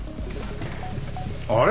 あれ？